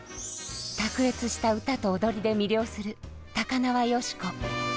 卓越した歌と踊りで魅了する高輪芳子。